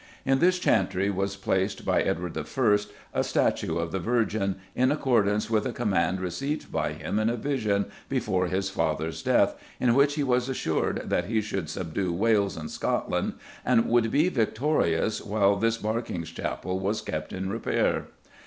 In this Chantry was placed, by Edward I., a statue of the Virgin, in accordance with a command received by him in a vision, before his father's death, in which he was assured that he should subdue Wales and Scotland, and would be victorious while this Berkinge Chapel was kept in repair.